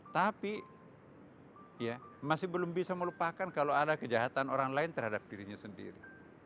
tapi masih belum bisa melupakan kalau ada kejahatan orang lain terhadap dirinya sendiri